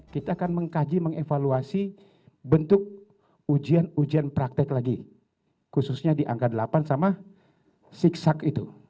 kita akan mengkaji mengevaluasi bentuk ujian ujian praktek lagi khususnya di angka delapan sama zigzag itu